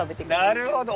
なるほど。